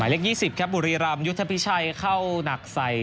มาที่เลขยี่สิบครับบุรีรำยุทธพิชัยเข้าหนักใส่